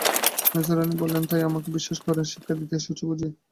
মেজোরানী বললেন, তাই আমাকে বিশ্বাস করে শিক্ষা দিতে এসেছ বুঝি?